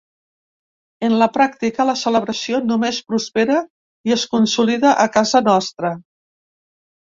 En la pràctica, la celebració només prospera i es consolida a casa nostra.